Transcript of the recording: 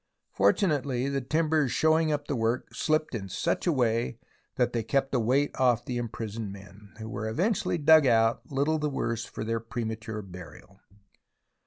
Fortunately the timbers shoring up the work shpped in such a way that they kept the weight off the imprisoned men, who were eventually dug out little the worse for their premature burial.